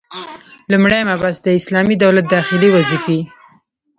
لومړی مبحث: د اسلامي دولت داخلي وظيفي: